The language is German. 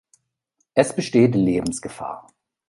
Es besteht Lebensgefahr.